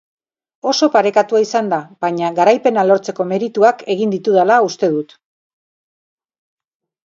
Oso parekatua izan da, baina garaipena lortzeko merituak egin ditudala uste dut.